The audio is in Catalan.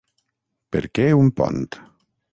Per què un pont?